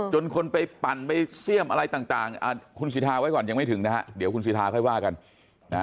คนไปปั่นไปเสี่ยมอะไรต่างคุณสิทาไว้ก่อนยังไม่ถึงนะฮะเดี๋ยวคุณสิทธาค่อยว่ากันนะฮะ